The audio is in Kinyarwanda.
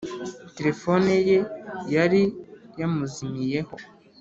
Telefone ye yari yamuzimiyeho